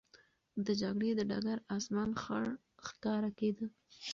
د جګړې د ډګر آسمان خړ ښکاره کېده.